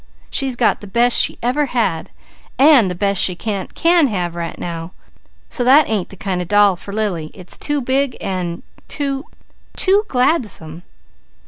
She's got the best she ever had, and the best she can have right now; so that ain't the kind of a doll for Lily it's too big and too too gladsome!"